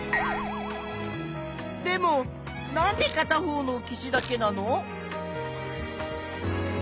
でもなんでかた方の岸だけなの？